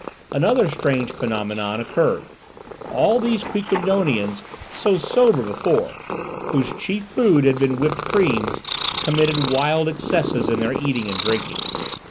Another strange phenomenon occurred. All these Quiquendonians, so sober before, whose chief food had been whipped creams, committed wild excesses in their eating and drinking.